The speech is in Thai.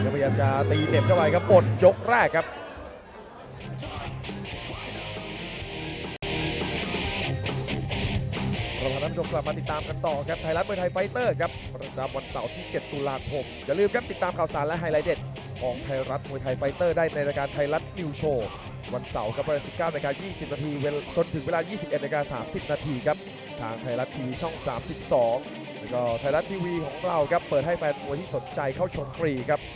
พยายามจะตีเห็บเข้าไปครับหมดยกแรกครับ